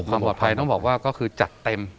ความปลอดภัยต้องบอกว่าก็คือจัดเต็ม